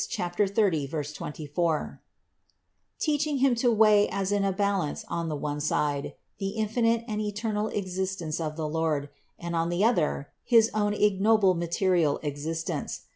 30, 24), teaching him to weigh as in a balance on the one side, the infinite and eternal existence of the Lord, and on the other, his own ignoble material existence.